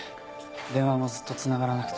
電話もずっと繋がらなくて。